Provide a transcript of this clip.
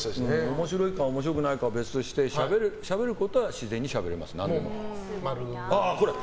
面白いか面白くないかは別としてしゃべることは自然にしゃべりますね。